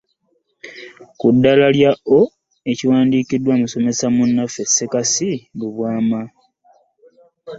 Ku ddaala erya ‘O’ ekiwandiikiddwa musomesa mu nnaffe Ssekasi Katono Lubwama.